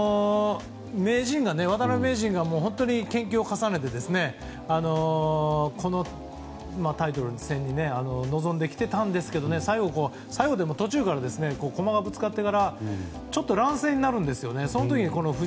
渡辺名人が本当に研究を重ねてこのタイトル戦に臨んできていたんですが途中から駒がぶつかってからちょっと乱戦になるんですよね。